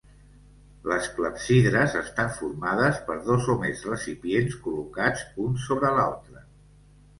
Les clepsidres estan formades per dos o més recipients, col·locats un sobre l'altre.